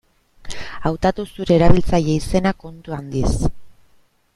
Hautatu zure erabiltzaile-izena kontu handiz.